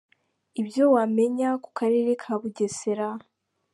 Ibyo wamenya ku Karere ka Bugesera.